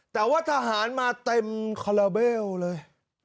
แต่ว่าทหารมาเต็มคาราเบลเลย